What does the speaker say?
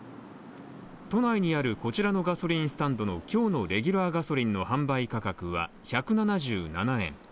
都内にあるこちらのガソリンスタンドのレギュラーガソリンの販売価格は１７７円。